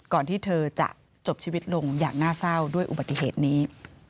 ที่เธอจะจบชีวิตลงอย่างน่าเศร้าด้วยอุบัติเหตุนี้